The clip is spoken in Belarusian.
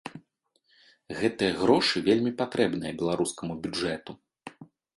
Гэтыя грошы вельмі патрэбныя беларускаму бюджэту.